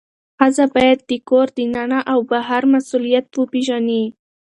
ښځه باید د کور دننه او بهر مسئولیت وپیژني.